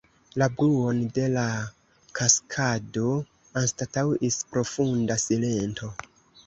La bruon de la kaskado anstataŭis profunda silento.